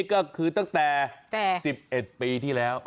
ก็คือตั้งแต่๑๑ปีที่แล้ว